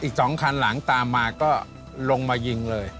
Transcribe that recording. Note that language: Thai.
อีก๒คันหลังตามมาก็ลงมายิงเลย